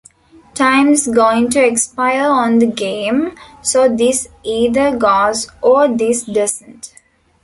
Time's going to expire on the game, so this either goes or this doesn't.